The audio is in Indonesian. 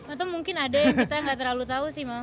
atau mungkin ada yang kita gak terlalu tau sih